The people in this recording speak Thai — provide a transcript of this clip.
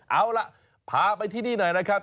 เอาล่ะพาไปที่นี่หน่อยนะครับ